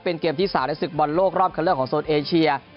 เป็นเกมที่๓ในศึกบอลโลกรอบคันเลือกของโซนเอเชีย